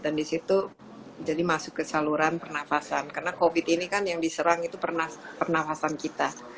dan disitu jadi masuk ke saluran pernafasan karena covid ini kan yang diserang itu pernafasan kita